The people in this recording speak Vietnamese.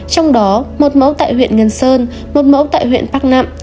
trong đó một mẫu tại huyện ngân sơn một mẫu tại huyện bắc nạm